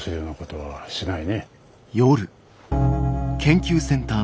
はい。